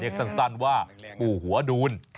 เนี่ยสั้นว่าปู่หัวดูน